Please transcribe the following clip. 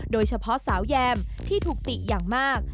โดยเฉพาะสาวแยมที่ถูกติอย่างมาก